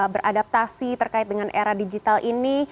beradaptasi terkait dengan era digital ini